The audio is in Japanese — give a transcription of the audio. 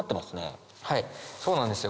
そうなんですよ